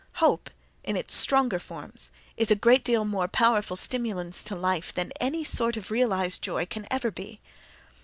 —Hope, in its stronger forms, is a great deal more powerful stimulans to life than any sort of realized joy can ever be.